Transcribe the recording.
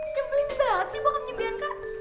nyempli banget sih bokapnya bianca